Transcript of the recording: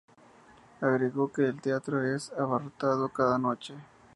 Agregó que "el teatro es abarrotado cada noche.